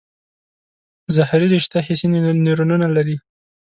ظهري رشته حسي نیورونونه لري.